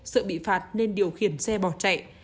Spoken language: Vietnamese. sợ bị phạt nên điều khiển xe bỏ chạy